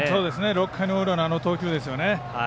６回の裏の投球ですよね。